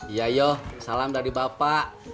iya ya salam dari bapak